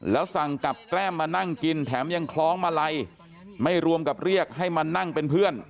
แล้วสั่งกับแก้มมานั่งกินแถมยังคล้องมาลัยไม่รวมกับเรียกให้มานั่งเป็นเพื่อน